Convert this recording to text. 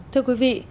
thưa quý vị